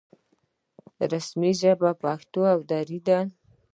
رسمي ژبې پښتو او دري دي